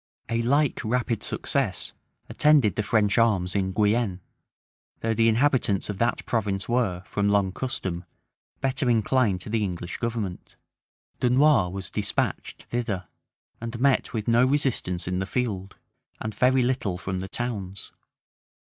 A like rapid success attended the French arms in Guienne; though the inhabitants of that province were, from long custom, better inclined to the English government. Dunois was despatched thither, and met with no resistance in the field, and very little from the towns.